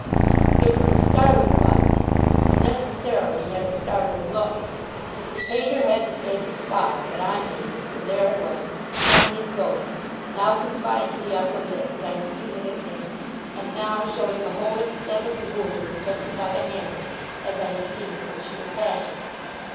It was a startling likeness, and necessarily had a startling look. The painter hadn't made the scar, but I made it; and there it was, coming and going; now confined to the upper lip as I had seen it at dinner, and now showing the whole extent of the wound inflicted by the hammer, as I had seen it when she was passionate.